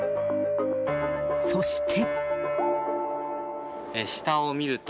そして。